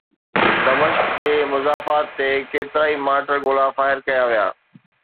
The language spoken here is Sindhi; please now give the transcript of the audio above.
دمشق جي مضافات تي ڪيترائي مارٽر گولا فائر ڪيا ويا